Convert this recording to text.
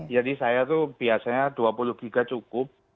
jadi saya itu biasanya dua puluh gb cukup